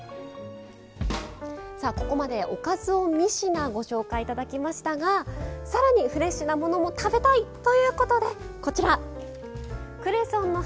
さあここまでおかずを３品ご紹介頂きましたが更にフレッシュなものも食べたい！ということでこちら。